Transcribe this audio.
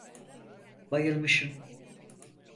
Bayılmışım.